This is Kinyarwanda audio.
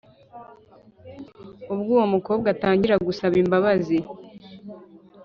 ubwo uwo mukobwa atangira gusaba imbabazi